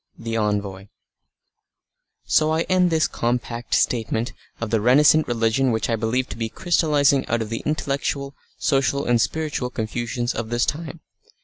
THE ENVOY So I end this compact statement of the renascent religion which I believe to be crystallising out of the intellectual, social, and spiritual confusions of this time.